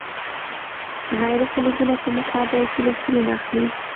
غیر فلزونه په مقابل کې الکترون اخلي.